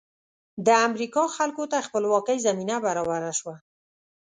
د امریکا خلکو ته خپلواکۍ زمینه برابره شوه.